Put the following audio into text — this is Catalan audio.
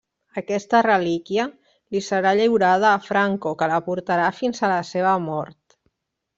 Aquesta relíquia li serà lliurada a Franco, que la portarà fins a la seva mort.